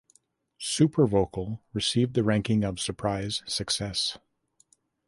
Super Vocal received the ranking of Surprise Success.